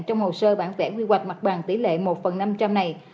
trong hồ sơ bản vẽ quy hoạch mặt bằng tỷ lệ một phần năm trăm linh này